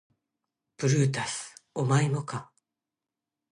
ブルータスお前もか